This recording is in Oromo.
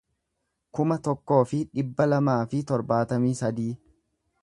kuma tokkoo fi dhibba lamaa fi torbaatamii sadii